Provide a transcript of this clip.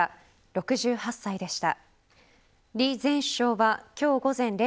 ６８歳でした。